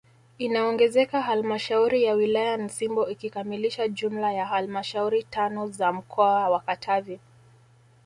Inaongezeka halmashauri ya wilaya Nsimbo ikikamilisha jumla ya halmashauri tano za mkoa wa Katavi